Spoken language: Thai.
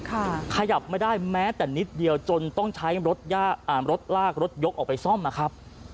ขยับไม่ได้แม้แต่นิดเดียวจนต้องใช้รถย่าอ่ารถลากรถยกออกไปซ่อมนะครับ